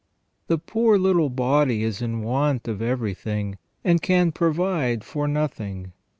The poor little body is in want of everything, and can provide for nothing.